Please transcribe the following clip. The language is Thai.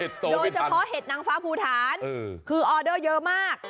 โดยเฉพาะเห็ดนางฟ้าภูฐานคือออเดอร์เยอะมาก